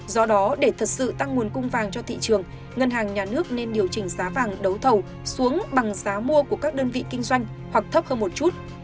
do đó để thật sự tăng nguồn cung vàng cho thị trường ngân hàng nhà nước nên điều chỉnh giá vàng đấu thầu xuống bằng giá mua của các đơn vị kinh doanh hoặc thấp hơn một chút